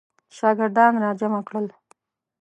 شاګردان را جمع کړل.